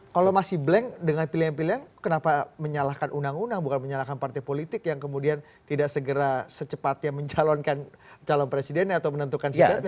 kalau masih blank dengan pilihan pilihan kenapa menyalahkan undang undang bukan menyalahkan partai politik yang kemudian tidak segera secepatnya mencalonkan calon presidennya atau menentukan pilihan